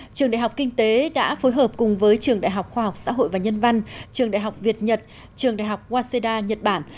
trường đại học kinh tế đã phối hợp cùng với trường đại học khoa học xã hội và nhân văn trường đại học việt nhật trường đại học wazeda nhật bản